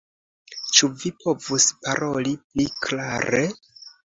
Ĉu vi povus paroli pli klare?